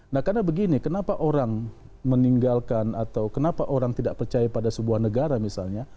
nah karena begini kenapa orang meninggalkan atau kenapa orang tidak percaya pada sebuah negara misalnya